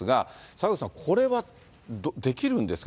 坂口さん、これはできるんですか？